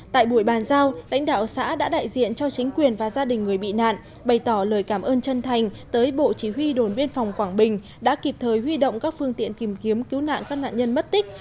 tại buổi bàn giao lãnh đạo xã đã đại diện cho chính quyền và gia đình người bị nạn bày tỏ lời cảm ơn chân thành tới bộ chỉ huy đồn biên phòng quảng bình đã kịp thời huy động các phương tiện tìm kiếm cứu nạn các nạn nhân mất tích